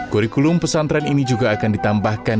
kurikulum pesantren ini juga akan ditambahkan